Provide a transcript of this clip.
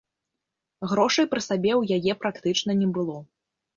Грошай пры сабе ў яе практычна не было.